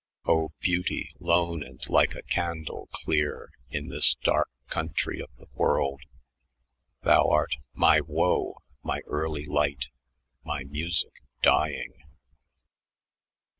O beauty lone and like a candle clear In this dark country of the world! Thou art My woe, my early light, my music dying.'"